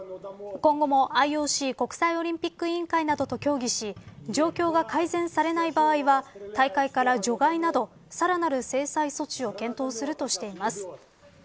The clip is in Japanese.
今後もＩＯＣ国際オリンピック委員会などと協議し状況が改善されない場合は大会から除外などさらなる制裁措置を検討するとしています。